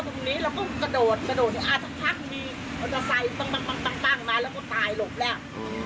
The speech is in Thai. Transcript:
มันจะใส่ตั้งมาแล้วก็ตายหลบแล้ว